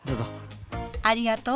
ありがとう。